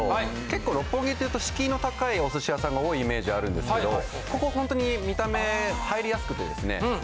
結構六本木っていうと敷居の高いお寿司屋さんが多いイメージあるんですけどここほんとに見た目入りやすくてですね。